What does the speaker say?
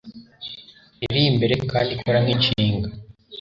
iri imbere kandi ikora nkinshinga